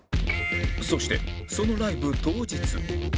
そしてそのライブ当日